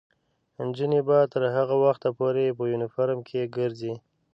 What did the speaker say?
نجونې به تر هغه وخته پورې په یونیفورم کې ګرځي.